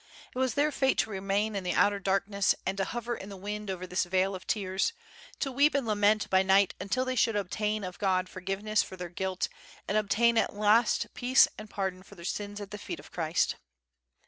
It was their fate to remain in the outer darkness and to Bover in the wind over this vale of tears, to weep and lament by night until they should obtain of God forgiveness for their guilt and obtain at last peace and pardon for their sins at the feet of Christ.